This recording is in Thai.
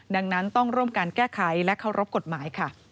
ดังนั้นต้องร่วมการแก้ไขและเคารพกฎหมายค่ะ